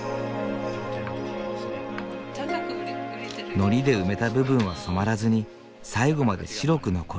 のりで埋めた部分は染まらずに最後まで白く残る。